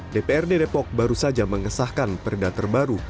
dprd depok baru saja mengesahkan perda terbaru